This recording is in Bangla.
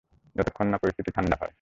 যতক্ষণ না পরিস্থিতি ঠান্ডা হয়।